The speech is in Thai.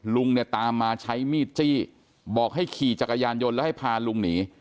ลุงเนี่ยตามมาใช้มีดจี้บอกให้ขี่จักรยานยนต์แล้วให้พาลุงหนี